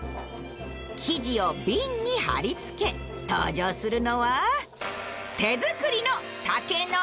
生地を瓶に貼り付け登場するのは手作りの竹の弓。